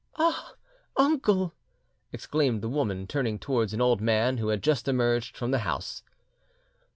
"Ah! uncle!" exclaimed the woman, turning towards an old man who had just emerged from the house.